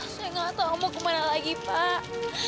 saya enggak tahu mau ke mana lagi pak